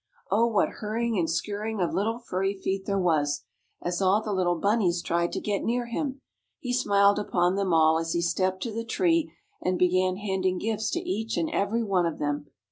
O, what hurrying and scurrying of little furry feet there was, as all the little bunnies tried to get near him. He smiled upon them all as he stepped to the tree and began handing gifts to each and every one of them.